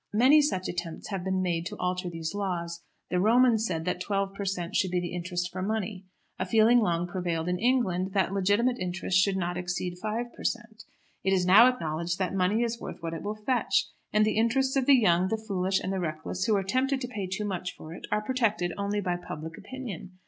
Many such attempts have been made to alter these laws. The Romans said that twelve per cent. should be the interest for money. A feeling long prevailed in England that legitimate interest should not exceed five per cent. It is now acknowledged that money is worth what it will fetch; and the interests of the young, the foolish, and the reckless, who are tempted to pay too much for it, are protected only by public opinion.